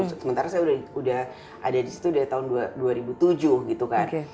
sementara saya sudah ada di situ dari tahun dua ribu tujuh gitu kan